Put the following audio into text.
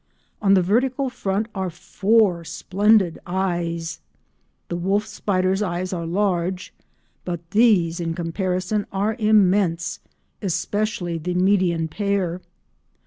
On the vertical front are four splendid eyes. The wolf spider's eyes were large, but these, in comparison, are immense, especially the median pair.